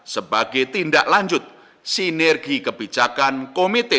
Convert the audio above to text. sebagai tindak lanjut sinergi kebijakan komite